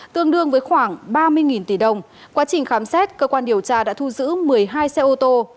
tương đương với khoảng ba mươi tỷ đồng quá trình khám xét cơ quan điều tra đã thu giữ một mươi hai xe ô tô